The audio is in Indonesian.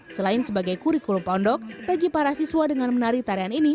selain sebagai kurikulum pondok bagi para siswa dengan menari tarian ini